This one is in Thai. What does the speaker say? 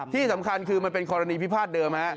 ที่สำคัญคือมันเป็นกรณีพิพาทเดิม